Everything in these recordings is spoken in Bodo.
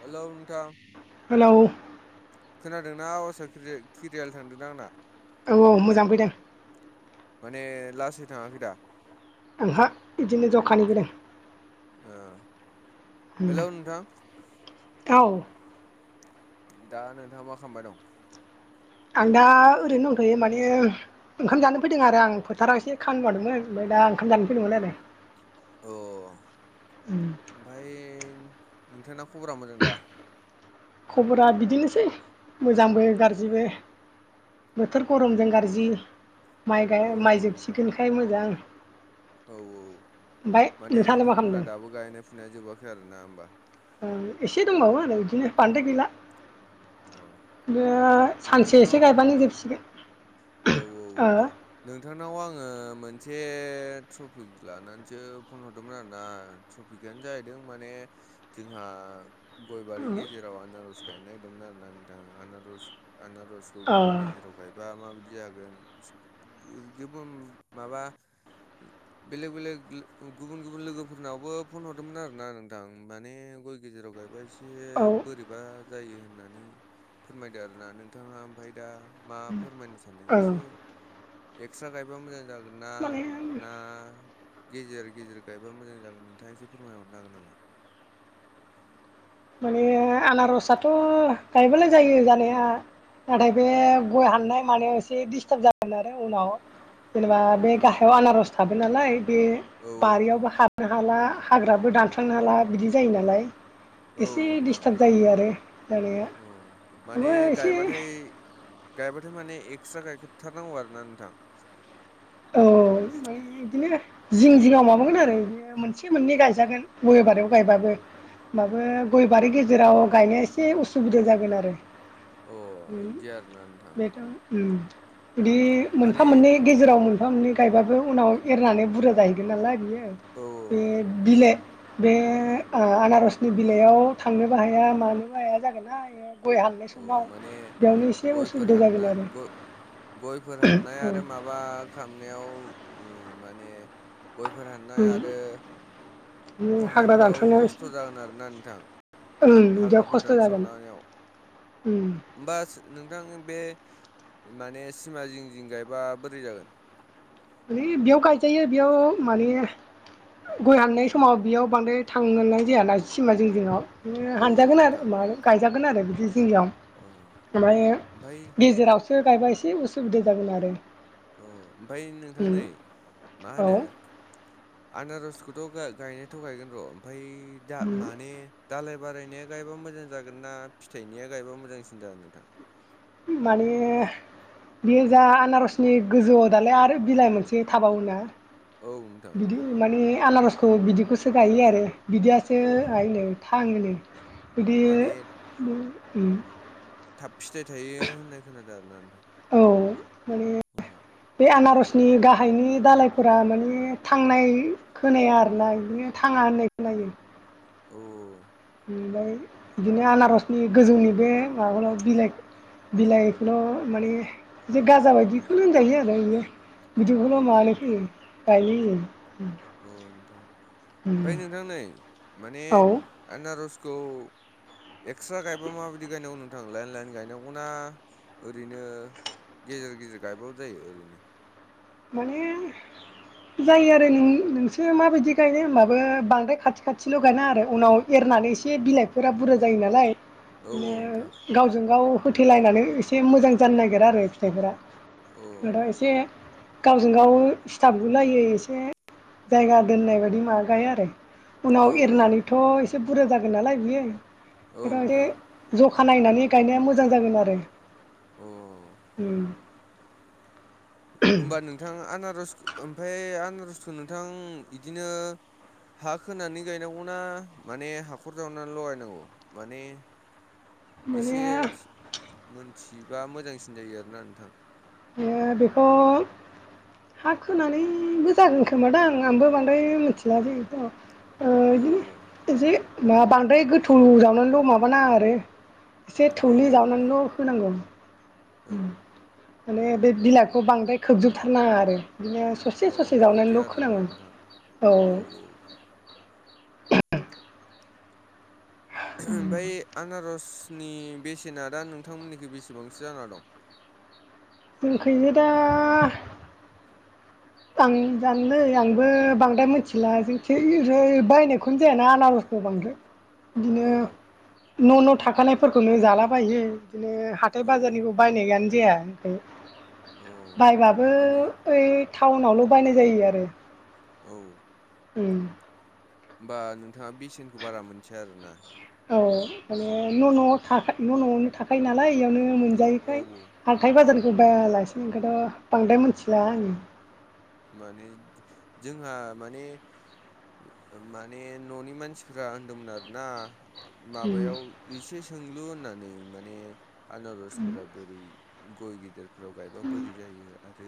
हेलौ नोंथां हेलौ खोनादोंना आवासा खिरे खिरियाल थांदोदा आंना औ औ मोजां फैदों ने लासै थाङाखै दा आंहा इदिनो जखानि फैदों ओ हेलौ नोंथां औ दा नोंथाङा मा खामबाय दं? आं दा ओरैनो दंथ'यो माने ओंखाम जानो फैदों आरो आं फोथाराव एसे खामनि मावदोंमोन [unintelligible] दा ओंखाम जानो फैदोंमोन आरो अ उम ओमफ्राय नोंथांना खबरा मोजां दा खबरा बिदिनोसै मोजांबो अ गारजिबो बोथोर गरमजों गारजि माइ गाय औ माइ जोबसिगोनखाय मोजां औ औ ओमफ्राय माने नोंथाङालाय मा नोंथांमोनहा खालामदों दाबो गायनाय फुनाया जोबाखै आरो ना होमबा ओं एसे दंबावो आरो इदिनो बानदाय गैला अ [unintelligible] सानसे नोंथांनाव एसे गायबानो जोबसिगोन औ औ नोंथां नाव आङो मोनसे ट्रफिक लानानैसो फन हरदोंमोन आरोना ट्रफिकआनो जाहैदों माने जोंहा गय बारि गेजेराव आनारस गायनो नागिरदोंमोन आरो ना नोंथां आनारस आनारसखौ गय औ गेजेराव गायबा माबायद जागोन [unintelligible] माबा बेलेक बेलेक गुबुन गुबुन लोगोफोरनावबो फन हरदोंमोन आरो ना नोंथां माने गय गेजेराव गायबा ए से बोरैबा जायो होननानै फोरमायदो आरोना नोंथाङा ओमफाय दा मा फोरमायनो सानदों औ एसे एक्सट्रा गायबा मोजां जा गोना माने ना गेजेर गेजेर गायबा मोजां जागोन नोंथाङा एसे फोरमायहरनो हागोन नामा। माने आनारसाथ' गायबानो जायो जानाया। नाथाय बे गय हाननाय मानायाव एसे दिस्टाब जागोन आरो उनाव। अ जेनेबा बे गाहायाव आनारस थाबाय नालाय बे औ नोंथां बारियावबो हाबनो हाला। हाग्राबो दानस्रांनो हाला बिदि जायो नालाय। औ एसे नोंथां डिस्टाब जायो आरो जानाया अ माने थेवबो एसे गायबाथाय गायबाथाय माने एकस्रा गायखा थारनांगौ आरोना नोंथां। औ मानि बिदिनो जिं जिंआव माबागोन आरो बियो मोनसे मोननै गायजागोन गय बारियाव गायबाबो। होमबाबो गय बारि गेजेराव गायनाया एसे उसुबिदा जागोन आरो। अ बिदि आरोना नोंथां बेथ' ओम बिदि मोनफा माने मोननै गेजेराव मोनफा मोननै गायबाबो उनाव एरनानै बुरजा जाहैगोन नालाय बियो। औ बे बिलाइ बे ओ आनारसनि बिलाइयाव थांनोबो हाया मानोबो हाया जागोन ना। गय हाननाय औ समाव माने बेयावनो एसे गयफोर उसुबिदा जागोन हानना आरो। गय गयफोर हाननाय आरो औ माबा खालामनायाव ओ माने गयफोर हाननाय आरो उम हाग्रा खननायफोराव दानस्रांनायाव एसे खस्थ' जागोन आरो ना नोंथां। ओं बिदियाव हाग्राफोर खस्थ' जागोन। दानस्रांनायाव उम होमबा नोंथां बे माने सिमा जिं जिं गायबा बोरै जागोन? ओरै बेयाव गायजायो बेयाव माने गय हाननाय समाव बेयाव बांद्राय थांनोनाय जायाना सिमा जिं जिङाव। ओ औ हानजागोन नोंथां आरो मानो गायजागोन आरो बिदि जिं जिङाव औ ओमफ्राय ओमफायो गेजेरावसो गायबा एसे उसुबिदा जागोन आरो। अ ओमफाय नोंथां उम नै मा औ होनो आनारस खौथ' गा-गायनायाथ गायगोन र ओमफाय दा उम माने दालाय बारायनाया गायबा मोजां जागोन ना फिथाइनिया गायबा मोजांसिन जागोन नोंथां? माने बेयो जा आनारसनि गोजौआव दालाय आरो बिलाइ मोनसे थाबावोना औ नोंथां बिदि माने आनारसखौ बिदिखौसो गायो आरो बिदियासो औ आय नो। थाङोनो बिदि माने थाब फिथाइ थायो होननाय खोनादों आरो ना नोंथां। औ माने बे आनारस नि गाहायनि दालायफोरा माने थांनाय खोनाया आरोना बिदिनो थाङा होननाय खो नायो। औ ओमफ्राय बिदिनो आनारसनि गोजौनि बे माबालाइ बिलाइ बिलाइखौल' माने बि गाजा बायदिखौनो होनजायो आरो बियो। औ बिदिखौल' मानो फैयो गायोनो। अ नोंथां ओमफ्राय नोंथां नै माने औ आनारस खौ एक्सट्रा गायबा माबायदि गायनांगौ नोंथां लाइन लाइन गायनांगौना ओरैनो गेजेर गेजेर गायबाबो जायो ओरैनो? माने जायो आरो नों नोंसो माबायदि गायनो होमबाबो बांद्राय खाथि खाथिल' गायना आरो उनाव एरना माने एसे बिलाइफोरा बुरजा जायो नालाय। औ नोंथां बिनो गावजों गाव होथलायनानै एसे मोजां जानो नागिरा आरो फिथाइफोरा औ नोंथाङा एसे गावजों गाव सिथाफगुलायो एसे जायगा दोननाय बायदि मा गाय आरो औ उनाव एरनानैथ' एसे बुरजा जागोन नालाय बियो औ एसे नोंथां ज' खानायनानै गायनाया मोजां जागोन आरो अ उम होनोमबा नोंथां आनारस ओमफ्राय आनारसखौ नोंथां बिदिनो हा खोनानै गायनांगौना माने हाखर जावनानै लगायनांगौ माने माने एसे मोनथिबा मोजांसिन जायो आरोना नोंथां ओ बेखौ - हा खोनानैबो जागोन खोमादां आंबो बांद्राय मिथिला जायोथ' औ बिदिनो एसे मा बांद्राय गोथौ जावनानैल' माबानाङा आरो एसे औ थौले नोंथां जावनानैल' होनांगौ। औ उम माने बे बिलाइखौ बांद्राय खोबजोबथारनाङा आरो बिदिनो अ ससे-ससे इदि जावनानैल' आरोना खोनङो नोंथां औ [inaudible] ओमफ्राय आनारस नि बेसेना दा नोंथांमोननिखि बेसेबांसो जाना दं। जोंखैनो दा आं जानोलै आंबो बांद्राय मिथिला जों बायनायखौनो जायाना आनारस खौ बांद्राय बिदिनो औ न' न' थाखानायफोरखौनो जाला बायो। बिदिनो हाथाय औ औ बाजारनिखौ बायनायानो जाया [unintelligible] औ बायबाबो माने ओइ टाउनावल' बायनाय जायो आरो औ उम होमबा नोंथाङा बेसेनखौ बारा मोनथिया आरोना? औ माने न' न'आव थाखा न' न'आवनो थाखायो नालाय बेयावनो औ मोनजायैखाय औ हाथाय बाजारखौ बायालासिनो ओमखानथ' बांद्राय मिथिला आङो। माने जोंहा माने माने न'नि मानसिफ्रा होनदोंमोन आरोना? माबायाव एसे सोंलु होननानै माने आनारसफोरा बोरै गय गेदेरफोराव गायबा बोरै जायो आरो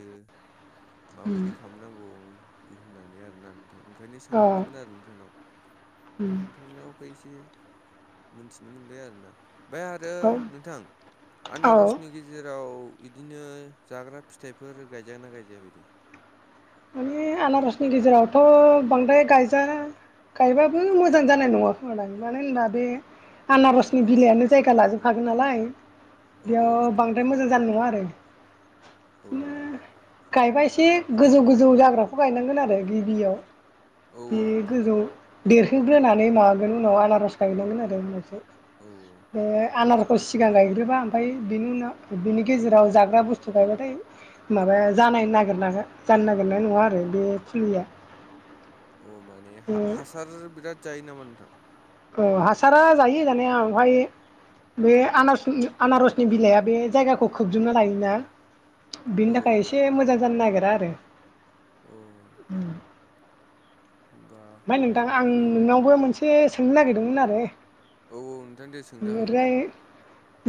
उम माबायदि खालामनांगौ। होननानै आरोना नोंथां ओंखायनो अ सोंलुदोंमोन आरो नोंथांनाव ओमफ्राय उम नोंथांनावबो एसे मोनथिनो मोनबाय आरोना? ओमफ्राय आरो नोंथां औ आनारसनि गेजेराव इदिनो जाग्रा फिथाइफोर गायजाया ना गायजायो बायदि माने आनारसनि गेजेरावथ' बांद्राय गायजा गायबाबो मोजां जानाय नङा खोमालाय मानो होनबा बे आनारसनि औ बिलाइआनो जायगा लाजोबखागोन नालाय औ औ बेयाव नोंथां बांद्राय मोजां जानाय नङा आरो औ गायबा एसे गोजौ गोजौ जाग्राखौ गायनांगोन आरो गिबियाव औ बे औ नोंथां गोजौ देरहोग्रोनानै माबागोन उनाव आनारज गायनांगोन आरो उनावसो औ औ बे आनार सिगां गायग्रोबा ओमफ्रायनि उनाव बिनि गेजेराव जाग्रा बुस्थु गायबाथाय माबाया जा जानो नागिरनाय नङा आरो बे फुलिया अ माने बे हासार बिराद जायो ना माथो औ हासारा जायो जानाया ओमफ्राय बे आनारसनि बिलाइआ बे जायगाखौ खोबजोबना लायोना? बिनि औ थाखाय एसे मोजां जानो नागिरा आरो औ होमबा ओमफ्राय नोंथां आं नों नोंनावबो मोनसे सोंनो नागिरदोंमोन आरो औ औ नोंथां दे सोंनो हागोन दे। ओमफ्राय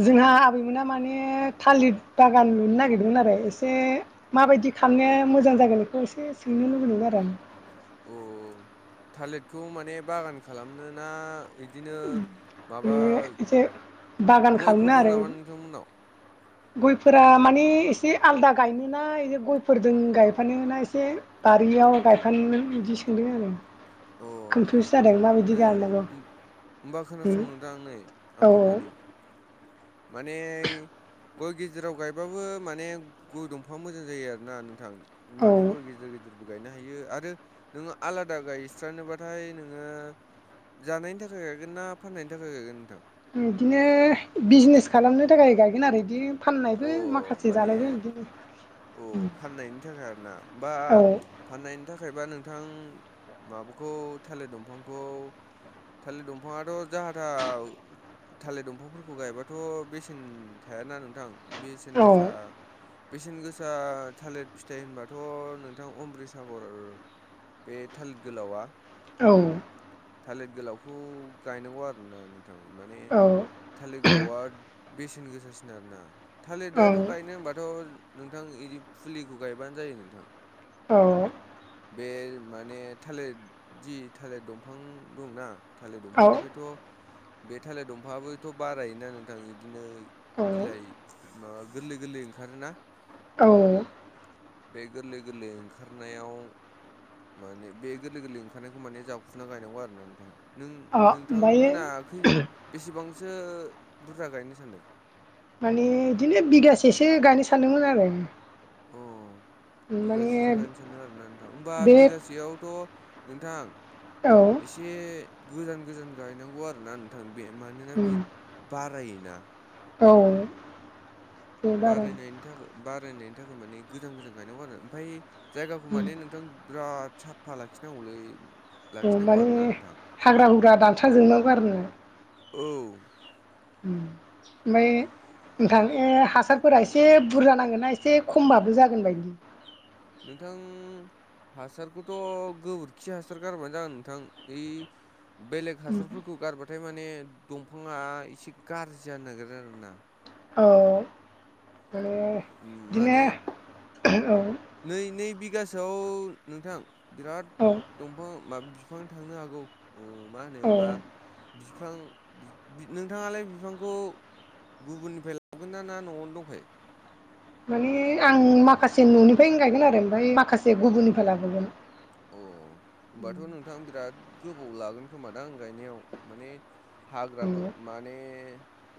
जोंहा आबैमोना माने थालिर बागान लुनो नागिरदोंमोन आरो एसे माबायदि औ खालामनाया मोजां जागोन बेखौ एसे सोंनो लुुबैदों आरो आं। अ थालिरखौ माने बागान खालामनो ना? बिदिनो माबा बे एसे बागान गयफोर खालामनो दं आरो नामा नोंथांमोननाव? गयफोरा माने एसे आलदा गायनोना गयफोरजों गायफानोना एसे बारियाव गायफानो बिदि सोंदों आरो। अ नोंथां कनफिउस जादों माबायदि नै गायनांगौ। होम होमबा खोनासंदो नोंथां नै आं औ खोन्थानि माने गय गेजेराव गायबाबो माने गय दंफाङा मोजां जायो आरोना नोंथां। माने औ गय गिदिर गिदिरबो गायनो हायो आरो नोङो आलादा गायबाथाय नोङो जानायनि थाखाय गायगोन ना फाननायनि थाखाय गायगोन नोंथां। बिदिनो बिजनेस खालामनो थाखाय गायगोन आरो बिदि फाननाय अ माखासे माने जालायबाय बिदिनो। अ फाननायनि थाखाय आरो ना होनबा फाननायनि थाखायबा नोंथां। माबाखौ थालिर दंफांखौ थालिर दंफाङाथ' जाहा था थालिर दंफांफोरखौ गायबाथ' बेसेन थाया। ना नोंथां बेसेन औ गोसा। बेसेन गोसा थालिर फिथाइ होनबाथ' नोंथां अमृटसागर आरो। बे थालिर गोलावा औ थालिर गोलावखौ गायनांगौ आरो नोंथां। माने औ थालिर गोलावा बेसेन गोसासिन आरो ना थालिर औ आथ' गायनो होनबाथ' नोंथां बिदि फुलिखौ गायबानो जायो नोंथां। ए बे माने थालिर जि थालिर दंफां दंना थालिर औ दंफांनिफ्रायथ' बे थालिर दंफाङाबबोथ' बारायोना नोंथां? बिदिनो बिलाइ माबा गोरलै गोरलै ओंखारोना। औ बे गोरलै गोरलै ओंखारनायाव माने बे गोरलै गोरलै ओंखारनायखौ माने जावखुना गायनांगौ आरो ना नोंथां? नों ओमफ्रायो नोंथांमोना खै बेसेबांसो बुरजा गायनो सानदों। माने बिदिनो बिगासेसो गायनो सानदोंमोन आरो। अ बिगासेसो माने गायनो सानदों आरो ना नोंथां होमबा बे बिगासेयावथ' नोंथां। औ एसे गोजान गोजान गायनांगौ आरोना नोंथां। बे मानोना बि उम बारायोना औ। बे बारा बारायनायनि थाखाय बारायनायनि थाखाय माने गोजान गोजान गायनांगौ आरो ओमफ्राय जायगाखौ उम माने नोंथां बिराद साफा लाखिनांगौलै। लाखिनांगौ माने आरोना नोंथां हाग्रा हुग्रा दानस्रा जोबनांगौ आरोना औ। ओमफ्राय। नोंथां ए हासारफोरा एसे बुरजा नांगोनना एसे खमबाबो जागोन बायदि नोंथां हासारखौथ' गोबोरखि हासार गारबानो जागोन नोंथां ओइ बेलेग हासारफोरखौ गारबाथाय माने दंफाङा एसे गाज्रि जानो नागिरो आरो ना? औ माने उम माने बिदिनो औ। बिगासेआव नोंथां बिराद औ दंफां माबा बिफां थांनो हागौ। अ मा होनोबा औ बिफां नोंथाङालाय बिफांखौ? गुबुननिफ्राय लाबोगोन ना न'आवनो दंखायो। माने आं माखासे न'निफ्रायनो गायगोन आरो ओमफ्राय माखासे गुबुननिफ्राय लाबोगोन अ होमबाथ' नोंथां बिराद गोबाव लागोन खोमादां आं गायनायाव माने हाग्राबो औ माने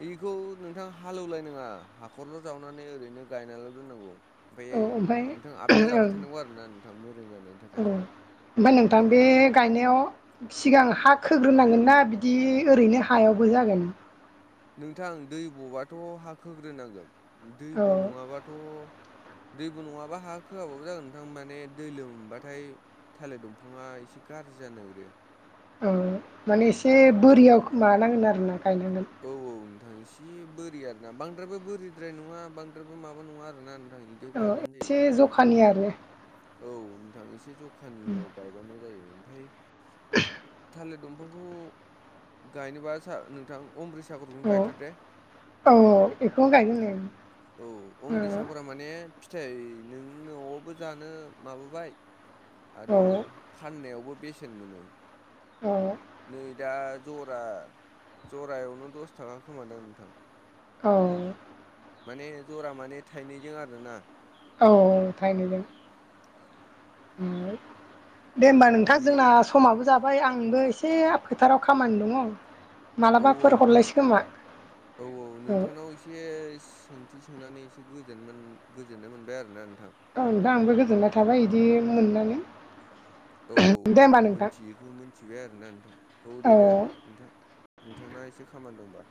बेखौ नोंथां हालेवलाय नङा हाखरल' जावनानै ओरैनो गायनानैल' दोननांगौ ओमफ्रायाय ओमफ्राय नोंथां आपडेट ओं लाबाय थानांगौ आरो ना नोंथां मोजां जानायनि औ थाखाय ओमफ्राय नोंथां बे बिदिनो गायनायाव सिगां हा खोग्रोनांगोनना बिदि ओरैनो हायावबो जागोन नोंथां दै बबाथ' हाखोग्रोनांगोन दै औ ब' नङाबाथ' दैबो नङाबा हा खोआबाबो जागोन नोंथां माने दै लोम बाथाय थालिर दंफाङा एसे गाज्रि बिदि जानो नागिरो औ माने एसे बोरियाव माबानांगोन आरोना गायनांगोन इसे बोरि आरोना बांद्रायबो बोरिद्राय नङा बांद्रायबो माबा नङा आरोना नोंथां बिदियाव ओ गायबानो एसे जायो जखानि आरो औ नोंथां एसे जखानियाव गायबानो जायो ओमफ्राय [inaudible] [unintelligible] थालिर दंफांखौ गायनोबा नोंथां अमब्रि सागरखौनो औ गायथार दे औ बेखौनो गायगोन औ नों। अम्रिसाफोरा माने फिथाय नों न'आवबो जानो माबाबाय औ आरो फाननायावबो बेसेन मोनो औ नै दा जरा जरायावनो दस थाखा खोमादां नोंथां औ माने जरा माने थाइनैजों आरोना औ-औ थाइनैजों दे होमबा नोंथां बि जोंना समाबो जाबाय आं आंबो एसे फोथाराव खामानि दङ औ-औ मालाबाफोर नोंथां हरलायसै खोमा औ औ नोंथांनाव एसे सों ओंथि सोंनानै एसे गोजोननाय मोनबाय आरोना नोंथां औ दा आंबो गोजोननाय थाबाय बिदि मोननानै औ औ दे होमबा नोंथां मिथियैखौ मिथिबाय आरोना नोंथां औ दे दे औ नोंथां नोंथाङा एसे खामानि दंबा